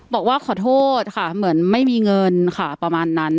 บอกว่าขอโทษค่ะเหมือนไม่มีเงินค่ะประมาณนั้น